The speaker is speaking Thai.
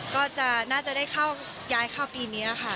ก็น่าจะได้เข้าย้ายเข้าปีนี้ค่ะ